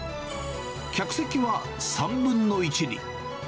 客席は３分の１に。